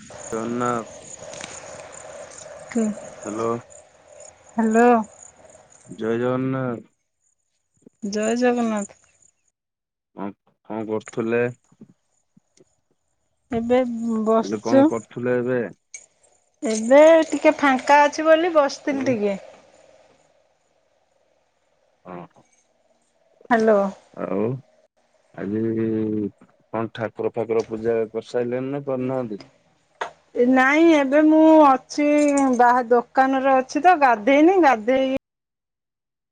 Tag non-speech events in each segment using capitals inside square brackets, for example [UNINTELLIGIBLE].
[UNINTELLIGIBLE] ହୁଁ । Hello. Hello. ଜୟ ଜଗନ୍ନାଥ। ଜୟ ଜଗନ୍ନାଥ। କଣ କଣ କରୁଥିଲେ? ଏବେ ହେଲେ କଣ ବସଚୁ। କରୁଥିଲେ ଏବେ ଏବେ ଟିକେ ଫାଙ୍କା ଅଛି ବୋଲି ବସିଥିଲି ସବୁ ଟିକେ। ଓ ହୋ। ହାଲୋ। ଆଉ ଆଜି କଣ ଠାକୁର ଫାକୁର ପୂଜା କରିସାଇଲେଣି ନା କରିନାହାନ୍ତି? ନାଇଁ ଏବେ ମୁଁ ଅଛି ବାହା ଦୋକାନରେ ଅଛି ତ ଗାଧେଇନି ଗାଧେଇ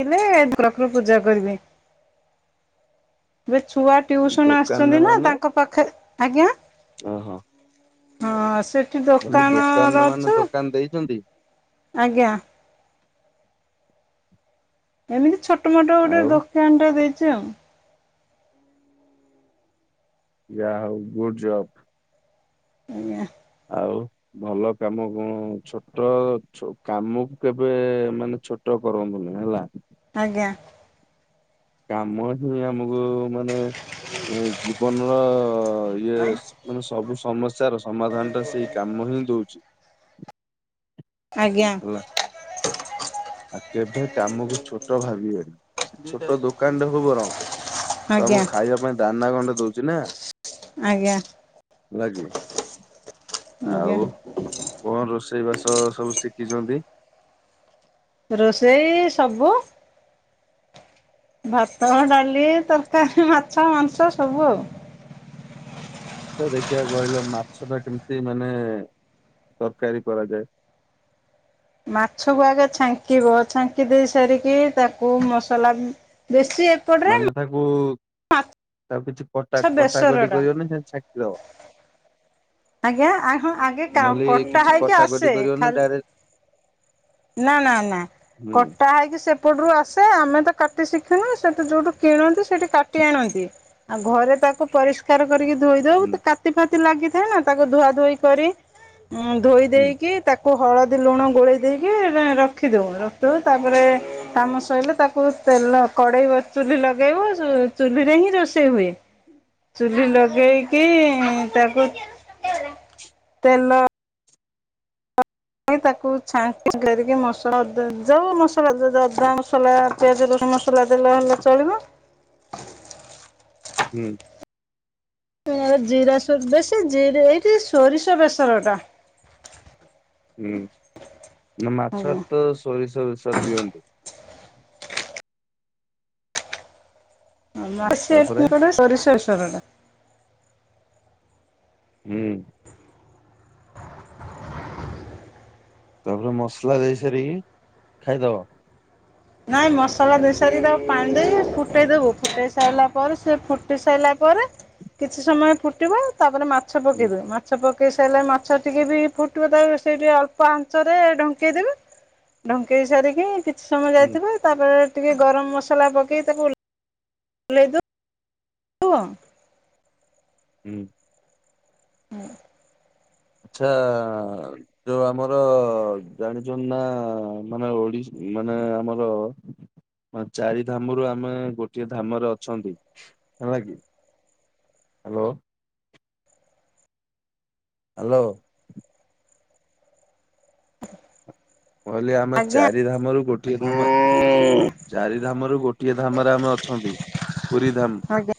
ଗାଧେଇଲେ ଠାକୁର ପୂଜା କରିବି। [UNINTELLIGIBLE] ଛୁଆ ଟିଉସନ୍ ଦୋକାନରେ ଆସୁଚନ୍ତି ନା ମାନେ ତାଙ୍କ ପାଖରେ ଆଜ୍ଞା ଓହୋ । ହଁ ସେଠି କହିଲି ଦୋକାନ ଦୋକାନରେ ର ମାନେ ଅଛୁ। ଦୋକାନ ଦେଇଛନ୍ତି ଆଜ୍ଞା। ଏମିତି ଛୋଟ ମୋଟ ଗୋଟେ ଆଉ ଦୋକାନ ଟେ ଦେଇଛି ଆଉ। ଯା ହଉ ଗୁଡ଼୍ ଜବ୍। ଆଜ୍ଞ। ଆଉ ଭଲ କାମ କଣ ଛୋଟ ଛୋ କାମକୁ କେବେ ମାନେ ଛୋଟ କରନ୍ତୁନି ହେଲା। ଆଜ୍ଞା। କାମ ହିଁ ଆମକୁ ମାନେ ଜୀବନର ଇଏ ମାନେ ସବୁ ସମସ୍ୟାର ସମାଧାନ ଟା ସେଇ କାମ। ହିଁ ଦଉଛି। ଆଜ୍ଞା। ହେଲା ଆଉ କେବେ କାମକୁ ଛୋଟ ଭାବିବେନି। ସେ ଛୋଟ ଦୋକାନଟେ ହଉ ବରଂ ଆଜ୍ଞା ତମକୁ ଖାଇବା ପାଇଁ ଦାନା ଗଣ୍ଡେ ଦଉଛି ନା। ଆଜ୍ଞା। ହେଲା କି ଆଜ୍ଞା। ଆଉ କଣ ରୋଷେଇ ବାସ ତ ସବୁ ଶିଖିଛନ୍ତି। ରୋଷେଇ ସବୁ ଭାତ ଡାଲି ତରକାରୀ ମାଛ ମାଂସ ସବୁ ଆଉ। [INAUDIBLE] ଆଛା ଦେଖିଆ କହିଲ ମାଛ ଟା କେମିତି ମାନେ ତରକାରୀ କରାଯାଏ। ମାଛକୁ ଆଗେ ଛାଙ୍କିବ ଛାଙ୍କି ଦେଇ ସାରିକି ତାକୁ ମସଲା ବେଶୀ ଏପଟରେ ମାନେ ତାକୁ ତାକୁ କିଛି କଟା ମାଛ ବେସର କଟାକଟି ଟା କରିବନି ସେମିତି ଛାକି ଦବ? ଆଜ୍ଞା ଆଗ ଆଗେ ମଲି କଟା କିଛି ହେଇକି ଆସେ କଟାକଟି କରିିବନି ଖାଲି ଡାଇରେ ନା ନା ନା କଟା ହେଇକି ସେପଟରୁ ଆସେ ଆମେ ତ କାଟି ଶିଖୁ ନୁ ସେ ତ ଯୋଉଠୁ କିଣନ୍ତି ସେଠି କାଟି ଆଣନ୍ତି ଆଉ ଘରେ ତାକୁ ପରିଷ୍କାର କରିକି ଧୋଇ ଦଉ ହୁଁ କାତି ଫାତି ଲାଗିଥାଏ ନା ତାକୁ ଧୁଆ ଧୋଇ କରି ଉଁ ଧୋଇ ହୁଁ ଦେଇକି ତାକୁ ହଳଦୀ ଲୁଣ ଗୋଳେଇ ଦେଇ କି ରଖିଦଉ ରଖିଦଉ ତାପରେ କାମ ସଇଲେ ତାକୁ ତେଲ କଡ଼େଇ ଚୁହ୍ଲୀ ଲଗେବୁ ଚୁ ଚୁହ୍ଲୀରେ ହିଁ ରୋଷେଇ ହୁଏ। ଚୁହ୍ଲୀ ଲଗେଇକି ତାକୁ ତେଲ ତାକୁ ଛାଙ୍କି କରିକି ମସଲା ଦ ଯୋଉ ମସଲା ଅଦା ମସଲା ପିଆଜ ର ମସଲା ଦେଲେ ହେଲେ ଚଳିବ ହୁଁ। ଜିରା ସ ବେଶୀ ଜି ଏଇଠି ସୋରିଷ ବେସରଟା ହୁଁ ନା ମାଛର ତ ସୋରିଷ ବେସର ଦିଅନ୍ତୁ। ହୁଁ ତାପରେ [INAUDIBLE] ସୋରିଷ ବେସର ଟା। ହୁଁ। ତାପରେ ମସଲା ଦେଇ ସାରିକି ଖାଇଦବ। ନାଇଁ ମସଲା ଦେଇ ସାରିକି ତା ପାଣି ଦେଇ ହୁଁ ଫୁଟେଇଦବୁ ଫୁଟେଇ ସାଇଲା ପରେ ସେ ଫୁଟି ସାରିଲା ପରେ କିଛି ସମୟ ଫୁଟିବ ତାପରେ ମାଛ ପକେଇଦବ ହୁଁ ମାଛ ପକ ପକେଇ ସାରିଲେ ମାଛ ଟିକେ ବି ଫୁଟିବ ତା ସେଇଠି ଅଳ୍ପ ଆଞ୍ଚ ରେ ଢଙ୍କେଇଦବ ଢଙ୍କେଇ ସାରିକି କି ସମୟ ଯାଇଥିବ ତାପରେ ଟିକେ ଗରମ ମସଲା ପକେଇ ତାକୁ ଓ ଓ୍ଲାଇ ଦ ଉ ଅ ହୁଁ। ହୁଁ। ଆଚ୍ଛା ଯୋଉ ଆମର ଜାଣିଛ ନା ମାନେ ଓଡିଶା ମାନେ ଆମର ଚାରି ଧାମରୁ ଆମେ ଗୋଟିଏ ଧାମରେ ଅଛନ୍ତି ହେଲା କିି ହ୍ୟାଲୋ। ହ୍ୟାଲୋ। କହିଲ ଆମେ ଆଜ୍ଞା ଚାରି ଧାମରୁ ଗୋଟିଏ ଧାମ ଚାରି ଧାମରୁ ଗୋଟିଏ ଧାମରେ ଆମେ ଅଛନ୍ତି ପୁରୀ ଧାମ ଆଜ୍ଞା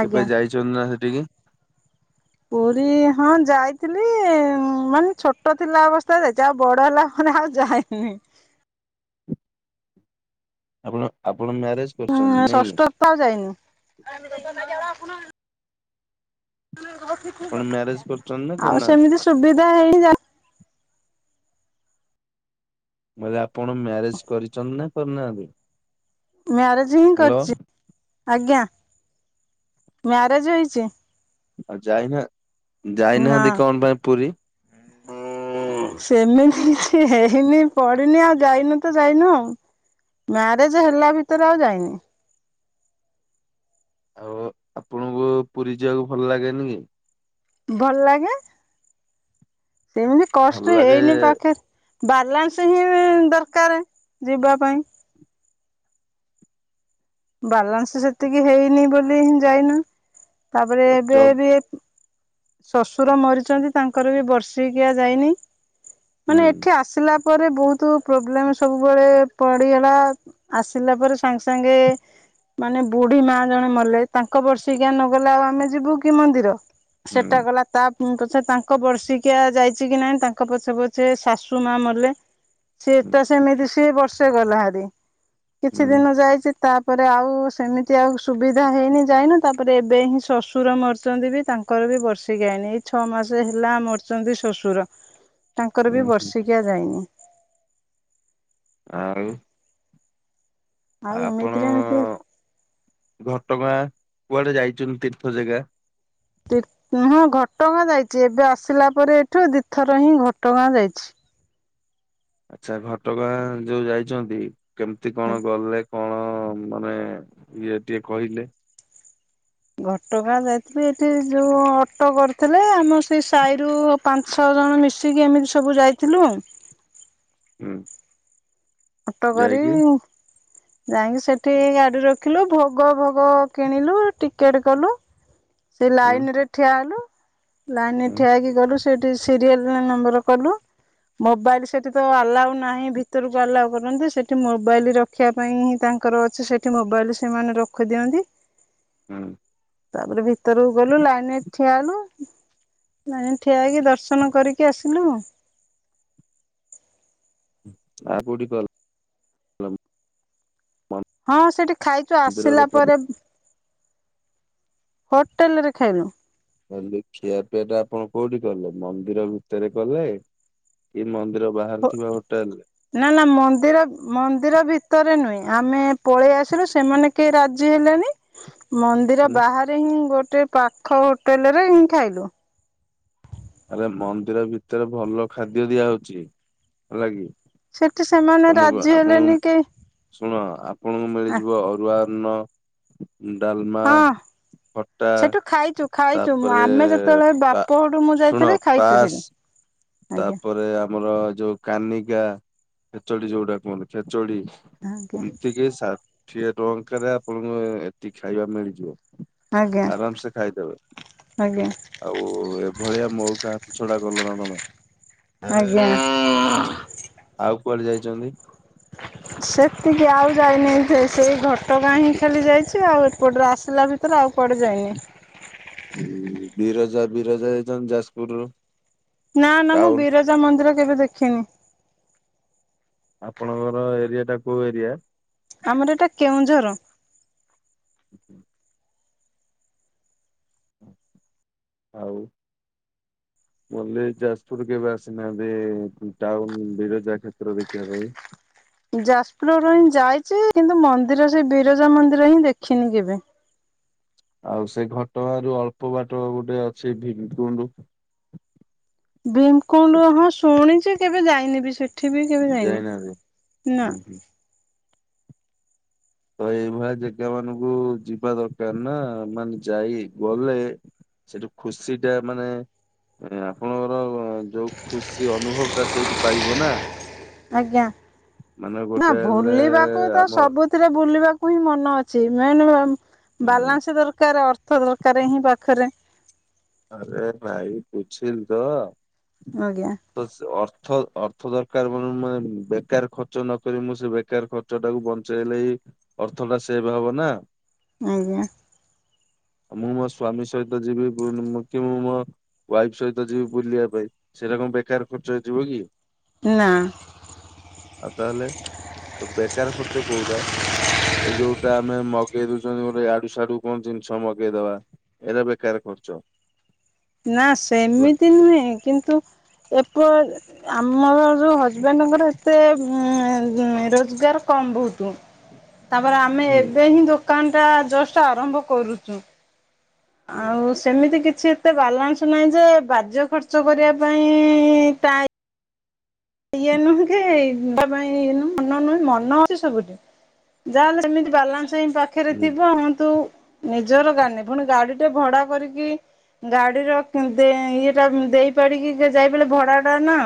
ଆଜ୍ଞା କେବେ ଯାଇଛନ୍ତି ନା ସେଠିକି? ପୁରୀ ହଁ ଯାଇଥିଲି ମାନେ ଛୋଟ ଥିଲା ଅବସ୍ଥାରେ ଯାହା ବଡ ହେଲା ଆଉ ଯାଇନି। ଆପଣ ଆପଣ ମ୍ୟାରେଜ ହୁଁ କରୁଛନ୍ତି ନାଇଁ କି? ଷଷ୍ଠ ତ ଆଉ ଯାଇନି ଆପଣ ମ୍ୟାରେଜ କରିଛନ୍ତି ନା ଆଉ କରିନାହାନ୍ତି? ସେମିତି ସୁବିଧା ହେଇନି ଯା ବେ ଆପଣ ମ୍ୟାରେଜ କରିଛନ୍ତି ନା କରିନାହାନ୍ତି? ମ୍ୟାରେଜ ହିଁ ହ୍ୟାଲୋ କରିଛି ଆଜ୍ଞା। ମ୍ୟାରେଜ ହେଇଛି। ଆଉ ଯାଇନା ନା ଯାଇନାହାନ୍ତି କଣ ପାଇଁ ପୁରୀ? ସେମିତି କିଛି ହେଇନି ପଢି଼ନି ଆଉ ଯାଇନୁ ତ ଯାଇନ ଆଉ। ମ୍ୟାରେଜ ହେଲା ଭିତରେ ଆଉ ଯାଇନି। ଆଉ ଆପଣଙ୍କୁ ପୁରୀ ଯିବାକୁ ଭଲ ଲାଗେନି କି? ଭଲ ଲାଗେ ସେମିତି ଭଲ କଷ୍ଟ ଲାଗେ ହେଇନି ପାଖରେ ବାଲାନ୍ସ ହିଁ ଦରକାର ଯିବା ପାଇଁ। ବାଲାନ୍ସ ସେତିକି ହେଇନି ବୋଲିି ଯାଇନୁ ତାପରେ ଏବେ ଜବ୍ ବି ଶଶୁର ମରିଛନ୍ତି ତାଙ୍କର ବି ବର୍ଷିକିଆ ଯାଇନି। ମାନେ ହୁଁ ଏଠି ଆସିଲା ତା ପରେ ବହୁତ ପ୍ରୋବ୍ଲେମ୍ ସବୁବେଳେ ପଡ଼ିଗଲା ଆସିଲା ପରେ ସାଙ୍ଗେ ସାଙ୍ଗେ ମାନେ ବୁଢୀ ମା ଜଣେ ମଲେ ତାଙ୍କ ବର୍ଷିକିଆ ନ ଗଲେ ଆଉ ଆମେ ଯିବୁ କି ମନ୍ଦିର ହୁଁ ସେଟା ଗଲା ତା ପଛେ ତାଙ୍କ ବର୍ଷିକିଆ ଯାଇଛି କି ନାଇଁ ତାଙ୍କ ପଛେ ପଛେ ଶାଶୁ ମା ମଲେ ହୁଁ ସେଏଟା ସେମିତି ସିଏ ବର୍ଷେ ଗଲା ହାରିି କିଛି ହୁଁ ଦିନ ଯାଇଛି ତା ତା ପରେ ଆଉ ସେମିତି ଆଉ ସୁବିଧା ହେଇନି ଯାଇନୁ ତାପରେ ଏବେ ହିଁ ଶଶୁର ମରିଛନ୍ତି ବି ତାଙ୍କର ବର୍ଷି ଗାଏନି ଏଇ ଛଅ ମାସ ହେଲା ମରିଛନ୍ତି ଶଶୁର। ତାଙ୍କର ବି ହୁଁ ହୁଁ ବର୍ଷିକିଆ ଯାଇନି। ଆଉ। ଆଉ ଆପଣ ଏମିତିରେ ଏମିତି ଘଟଗାଁ? କୁଆଡେ ଯାଇଛୁ ତୀର୍ଥ ଜାଗା? ହଁ ଘଟଗାଁ ଯାଇଛି ଏବେ ଆସିଲା ପରେ ଏଠୁ ଦି ଥର ହିଁ ଘଟଗାଁ ଯାଇଛି। ଆଚ୍ଛା ଘଟଗାଁ ଯୋଉ ଯାଇଛନ୍ତି କେମିତି କଣ ଗଲେ? କଣ ମାନେ ଇଏ ଟିକେ କହିଲେ? ଘଟଗାଁ ଯାଇଥିଲି ଏଠି ଯୋଉ ଅଟୋ କରିଥିଲେ ଆମର ସେଇ ସାହିରୁ ପାଞ୍ଚ ଛ ଛ ଜଣ ମିଶିକି ଏମିତି ସବୁ ଯାଇଥିଲୁ। ହୁଁ। ଅଟୋ କରି ଯାଇକି ଯାଇକି ସେଠି ଗାଡି ରଖିଲୁ ଭୋଗ ଭୋଗ କିଣିଲୁ ଟିକେଟ କଲୁ। ସେ ହୁଁ ଲାଇନ ରେ ଠିଆ ହେଲୁ। ଲାଇନରେ ହୁଁ ଠିଆ ହେକି ଗଲୁ ସେଠି ସିରିଏଲ ନମ୍ବର କଲୁ ମୋବାଇଲ ସେଠି ତ ଆଲାଉ ନାହିଁ ଭିତରକୁ ଆଲାଉ କରନ୍ତି ସେଠି ମୋବାଇଲ ରଖିବା ପାଇଁ ହିଁ ତାଙ୍କ ଙ୍କର ଅଛି ସେଠି ମୋବାଇଲ ସେମାନେ ରଖି ଦିଅନ୍ତି। ହଁ। ତାପରେ ଭିତରକୁ ଗଲୁ ଲାଇନ ଠିଆଲୁ ମାନେ ଠିଆଇକି ଦର୍ଶନ କରିକି ଆସିଲୁ। [UNINTELLIGIBLE] ହଁ ସେଠି ଖାଇକି ଆସିଲା କଲେ ପରେ ହୋଟେଲ ରେ ଖାଇଲୁ। ଏ ଖିଆ ପିଆ ଟା ଆପଣ କୋଉଠି କଲେ ମନ୍ଦିର ଭିତରେ କଲେ କି ମନ୍ଦିର ବାହାରେ ଥିବା ହୋଟେଲ ରେ ନା ନା ମନ୍ଦିର ମନ୍ଦିର ଭିତରେ ନୁହେଁ ଆମେ ପଳେଇ ଆସିଲୁ ସେମାନେ କେହି ରାଜି ହେଲେଣିି ମନ୍ଦିର ଉଁ ବାହାରେ ହିଁ ଗୋ ଗୋଟେ ପାଖ ହୋଟେଲ ରେ ହିଁ ଖାଇଲୁ। ଆରେ ମନ୍ଦିର ଭିତରେ ଭଲ ଖାଦ୍ୟ ଦିଆହଉଛି ହେଲା କିି। ସେଠି ସେମାନେ ରାଜି ହେଲେନି କେ ଶୁଣ ଆପଣଙ୍କୁ ମିଳିଯିବ ଅରୁଆ ଅନ୍ନ ଡାଲମା ହଁ ଖଟା ସେଠୁ ଖାଇଛୁ ଖାଇଛୁ ତାପରେ ଆମେ ଯେ ସେତେବେଳେ ବା ବାପଘରଠୁ ମୁଁ ଶୁଣ ଯାଇଥିଲି ଖାଇଛୁ ପାସ୍ ସେଠି ଆଜ୍ଞା ତାପରେ ଆମର ଯୋଉ କାନିକା ଖେଚଡି ଯୋଉଟା କହଣ ଖେଚଡି ଆଜ୍ଞା ଏମିତିକ ସ ଟଙ୍କାରେ ଆପଣଙ୍କୁ ଏଠି ଖାଇବା ମିଳିଯିବ। ଆଜ୍ଞା। ଆରାମ ସେ ଖାଇଦେବେ ଆଜ୍ଞା ଆଉ ଏଭଳିଆ ମଉକା ଛଡା ଗଲ ନା ତମେ। ଆଜ୍ଞା। ଆଉ କୁଆଡେ ଯାଇଛନ୍ତି? ସେତିକି ଆଉ ଯାଇନି ସେ ସେଇ ଘଟଗାଁ ହିଁ ବି ଖାଲି ଯାଇଛି ଆଉ ଏପଟରୁ ଆସିଲା ଭିତରେ ଆଉ କୁଆଡ଼େ ଯାଇନି। ବିରଜା ବିରଜା ଯାଇଛ ଯାଜପୁରରୁୁ ନା ନା ମୁଁ ବିରଜା ମନ୍ଦିର କେବେ ଦେଖିନି। ଆପଣଙ୍କର ଏରିଆ ଟା କୋଉ ଏରିଆ? ଆମର ଏଟା କେଉଁଝର। [INAUDIBLE] ଆଉ ବ ଯାଜପୁର କେବେ ଆସୁନାହାନ୍ତି ଟାଉନ ବିରଜା କ୍ଷେତ୍ର ଦଖିବା ପାଈଁ। ଯାଜପୁର ର ହିଁ ଯାଇଛି କିନ୍ତୁ ମନ୍ଦିର ସେ ବିରଜା ମନ୍ଦିର ହିଁ ଦେଖିନି କେବେ। ଆଉ ସେ ଘଟଗାଁ ରୁ ଅଳ୍ପ ବାଟ ଗୋଟେ ଅଛି [UNINTELLIGIBLE] ଭୀମକୁଣ୍ଡ ସେଠି ହଁ ଶୁଣିଛି କେବେ ଯାଇନି ବି ସେଠ ଏଠିବି କେବେ ଯାଇନି ଯାଇନାହାନ୍ତି। । ନା ହୁଁ ହୁଁ। ତ ଏଇଭଳିଆ ଜାଗା ମାନଙ୍କୁ ଯିବା ଦରକାର ନା ମାନେ ଯାଇ ଗଲେ ସେଠୁ ଖୁସି ଟା ମାନେ ଆପଣଙ୍କର ଯୋଉ ଖୁସି ଅନୁଭବ ଟା ସେଇଠୁ ପାଇବ ନା। ଆଜ୍ଞା ମାନେ ନା ଗୋଟେ ହେଲେ ବୁଲିବାକୁ ତ ଆମ ସବୁଥିରେ ବୁଲିବାକୁ ହିଁ ମନ ଅଛି ମେନ୍ ହୁଁ ବାଲାନ୍ସ ଦରକାର ଅ ଦରକାର ହିଁ ପାଖରେ। ଆରେ ଭାଇ [UNINTELLIGIBLE] ଅର୍ଥ ଆଜ୍ଞା ଅର୍ଥ ଦରକାର ମାନ ମାନେ ବେକାର ଖର୍ଚ୍ଚ ନ କରି ମୁଁ ସେ ବେକାର ଖର୍ଚ୍ଚ ଟାକୁ ବଞ୍ଚେଇଲେ ଅର୍ଥ ଟା ସେବ ହବ ନା। ଆଜ୍ଞା। ମୁଁ ମୋ ସ୍ଵାମୀ ସହିତ ଯିବି। କି ମୁଁ ମୋ ୱାଇଫ ସହିତ ଯିବି ବୁଲିବା ପାଇଁ ସେଇଟା କଣ ବେକାର ଖର୍ଚ୍ଚ ହେଇଯିବ କି? ନା। ଆଉ ତାହଲେ ତ ବେକାର ଖର୍ଚ୍ଚ କଉରା? ଏଇ ଯୋଉଟା ଆମେ ମ ମଗେଇ ଦଉଛନ୍ତି ଗୋଟେ ଇଆଡୁ ସିଆଡୁ କଣ ଜିନିଷ ମଗେଇଦବା ଏଇରା ବେକାର ଖର୍ଚ୍ଚ। ନା ହେଲା। ସେମିତି ନୁହେଁ କିନ୍ତୁ ଏପ ଆମର ଉ ହଜବେଣ୍ଡଙ୍କର ଏତେ ଉ ରୋଜଗାର କମ ବହୁତ ତାପରେ ଆମେ ହୁଁ ଏବେ ହିଁ ଦୋକାନ ଟା ଜଷ୍ଟ ଆରମ୍ଭ କରୁଛୁ। ହୁଁ। ଆଉ ସେମିତି କି କିଛି ଏତେ ବାଲାନ୍ସ ନାହିଁ ଯେ ବାଜ୍ୟ ଖର୍ଚ୍ଚ କରିବା ପାଇଁ ଇଏନୁହେକି ଯିବା ପାଇଁ ନୁ ମନ ନୁହ ମନଅଛି ସବୁଠି ଯାହାହେ ସେମିତି ବାଲାନ୍ସ ଇ ପାଖରେ ହୁଁ ଥିବ ଆଁ ତୁ ନିଜର ଗାଡି଼ ନାହିଁ ପୁଣି ଗାଡି ଟେ ଭଡା କରିକି ଗାଡି଼ର କି ଦେ ଇଏଟା ଦେଇ ପାରିକି ସେ ଯାଇ ପାରିଲେ ସେ ଭଡା ଟା ନା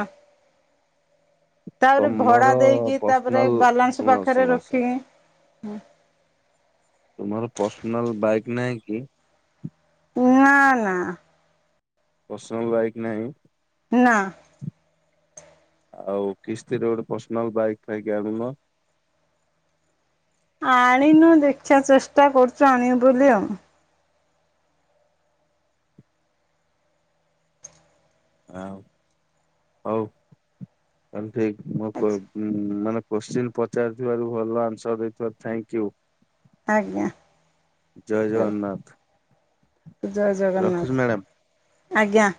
ତାପରେ ତମର ଭଡା଼ ଦେଇକି ତାପରେ ପର୍ସନାଲ ବାଲାନ୍ସ ଶୁଣ ପାଖରେ ଶୁଣ ଶୁଣ ରଖିକି ହୁଁ। ତୁମର ପର୍ସନାଲ ବାଇକ୍ ନାଇଁ କି? ନା ନା ପର୍ସନାଲ ବାଇକ୍ ନାହିଁ। ନା- ଆଉ କିସ୍ତିର ଗୋଟେ ପର୍ସନାଲ ବାଇକ୍ ଫାଇକି ଆଣୁନ। ଆଣିନୁ ଦେଖିବା ଚେଷ୍ଟା କରୁଛୁ ଆଣିବୁ ବୋଲି ଆଉ। ହ ହଉ ତାହାଲେ ଠିକ ମୁଁ କହି ଉ ମାନେ କୋଶ୍ଚିନ୍ ପଚାରିଥିବାରୁ ଭଲ ଆନ୍ସର ଦେଇଥିବାରୁ ଥାନ୍କ ୟୁ। ଆଜ୍ଞା ଜୟ ଜଗନ୍ନାଥ। ଜୟ ରଖୁଛି ଜଗନ୍ନାଥ ମ୍ୟାଡ଼ାମ। ଆଜ୍ଞା।